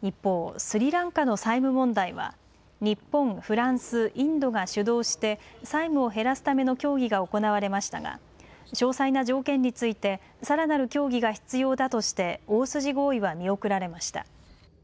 一方、スリランカの債務問題は日本、フランス、インドが主導して債務を減らすための協議が行われましたが詳細な条件についてさらなる協議が必要だとして大筋合意は見送られました。